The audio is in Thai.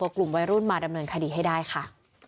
กลุ่มวัยรุ่นมาดำเนินคดีให้ได้ค่ะ